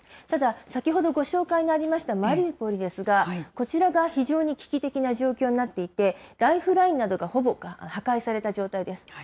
ただ、先ほどご紹介のありましたマリウポリですが、こちらが非常に危機的な状況になっていて、ライフラインなどがほぼ破壊された状態です。